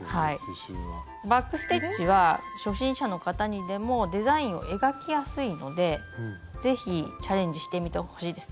バック・ステッチは初心者の方にでもデザインを描きやすいので是非チャレンジしてみてほしいです。